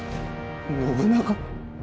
信長。